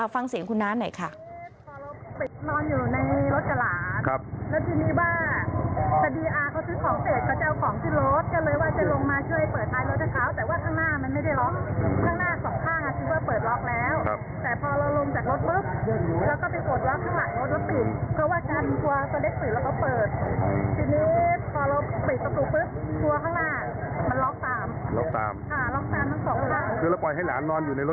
ฟังเสียงคุณน้าหน่อยค่ะ